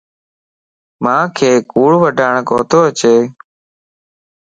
مانک ڪوڙ وڊاڻ ڪوتو اچي